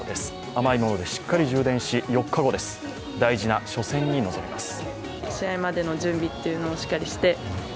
甘いものでしっかり充電し４日後です、大事な初戦に臨みます。